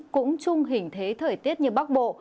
cũng chung hình thế thời tiết như bắc bộ